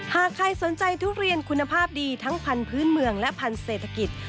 หากใครสนใจทุเรียนคุณภาพดีทั้งพันธุ์พื้นเมืองและพันธุ์เศรษฐกิจ